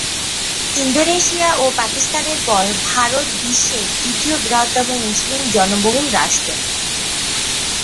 Indonesia ও পাকিস্তানের পর ভারত বিশ্বের তৃতীয় বৃহত্তম মুসলিম-জনবহুল রাষ্ট্র।